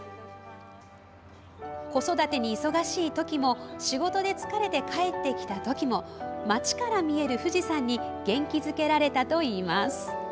子育てに忙しいときも仕事で疲れて帰ってきたときも町から見える富士山に元気づけられたといいます。